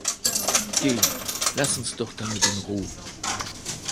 Geh, lass uns doch damit in Ruh!